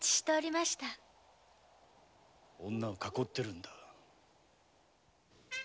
女を囲ってるんだ。